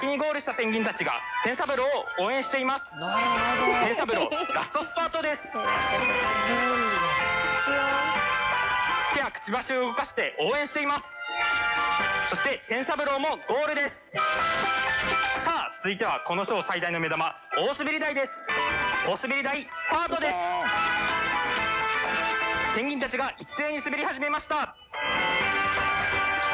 ペンギンたちが一斉に滑り始めました。